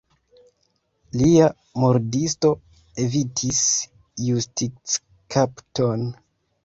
Lia murdisto evitis justickapton.